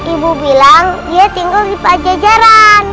ibu bilang dia tinggal di pajajaran